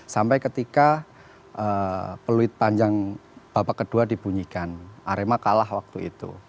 sampai ketika peluit panjang babak kedua dibunyikan arema kalah waktu itu